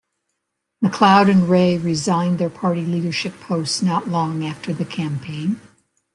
McLeod and Rae resigned their party leadership posts not long after the campaign.